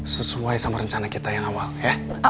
sesuai sama rencana kita yang awal ya